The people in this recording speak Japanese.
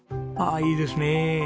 ああいいですね。